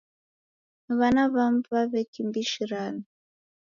W'ana w'amu w'aw'ekimbirishana.